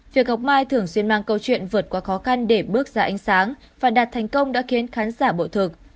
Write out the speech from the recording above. việc ngọc mai thường xuyên mang câu chuyện vượt qua khó khăn để bước ra ánh sáng và đạt thành công đã khiến khán giả bội thực